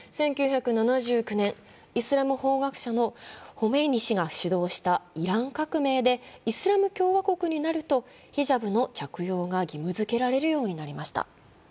１９７９年、イスラム法学者のホメイニ師が主導したイラン革命でイスラム共和国になるとヒジャブの着用が義務づけられるようになりました。